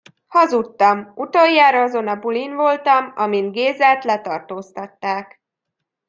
Hazudtam. Utoljára azon a bulin voltam, amin Gézát letartóztatták.